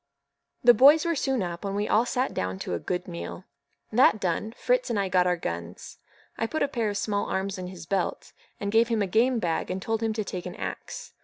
The boys were soon up, and we all sat down to a good meal. That done, Fritz and I got our guns. I put a pair of small arms in his belt, gave him a game bag, and told him to take an axe.